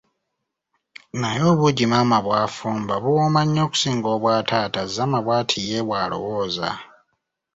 Naye obuugi maama bw'afumba buwooma nnyo okusinga obwa taata, Zama bwati ye walowooza.